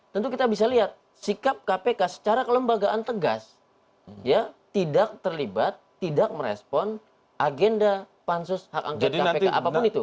tentu kita bisa lihat sikap kpk secara kelembagaan tegas tidak terlibat tidak merespon agenda pansus hak angket kpk apapun itu